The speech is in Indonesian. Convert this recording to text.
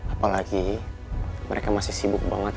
apalagi mereka masih sibuk banget